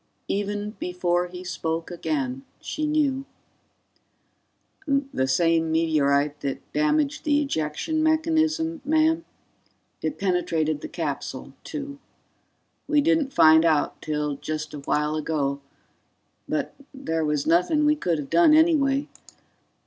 Even before he spoke again, she knew "The same meteorite that damaged the ejection mechanism, ma'am. It penetrated the capsule, too. We didn't find out till just a while ago but there was nothing we could have done anyway